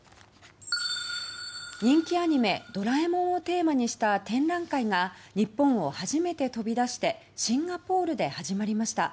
人気アニメ「ドラえもん」をテーマにした展覧会が日本を初めて飛び出してシンガポールで始まりました。